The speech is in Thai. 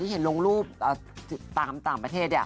อยู่ตามประเทศ